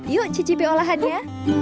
yuk cicipi olahannya